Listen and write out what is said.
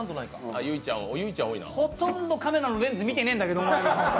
ほとんどカメラのレンズ見てねーんだけど、お前の。